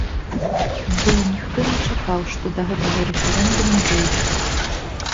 Ды і ніхто не чакаў, што да гэтага рэферэндуму дойдзе!